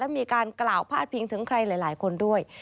มีการกล่าวพาดพิงถึงใครหลายคนด้วย